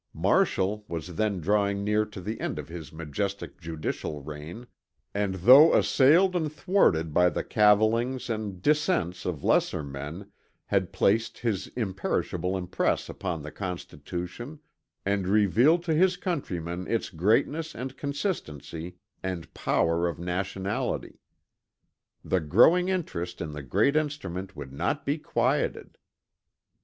Marshall was then drawing near to the end of his majestic judicial reign, and though assailed and thwarted by the cavilings and dissents of lesser men, had placed his imperishable impress upon the Constitution and revealed to his countrymen its greatness and consistency and power of nationality. The growing interest in the great instrument would not be quieted.